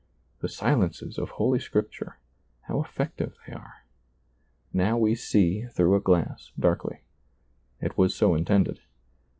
The silences of Holy Scripture, how effective they are ! Now we see through a glass darkly. It was so intended.